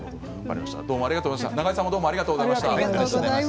永江さんありがとうございました。